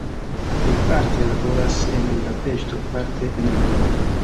Li parte laboras en Budapeŝto, parte en Londono.